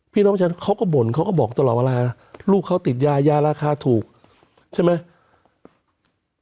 พี่น้องประชาชนเขาก็บ่นเขาก็บอกตลอดเวลาลูกเขาติดยายาราคาถูกใช่ไหม